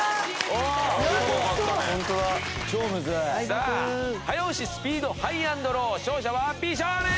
さあ早押しスピードハイ＆ロー勝者は美少年！